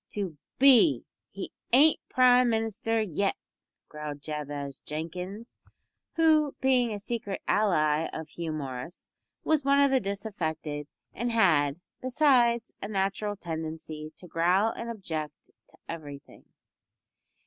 "To be he ain't Prime Minister yet," growled Jabez Jenkins, who, being a secret ally of Hugh Morris, was one of the disaffected, and had, besides, a natural tendency to growl and object to everything.